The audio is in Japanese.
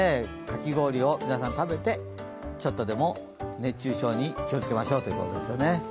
かき氷を皆さん食べて、ちょっとでも熱中症に気をつけましょうということですよね。